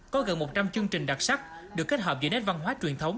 có gần một trăm linh chương trình đặc sắc được kết hợp giữa nét văn hóa truyền thống